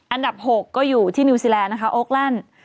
อันดับ๖ก็อยู่ที่นิวซีแลนดนะคะโอคแลนด์